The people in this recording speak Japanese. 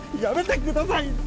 やめてください！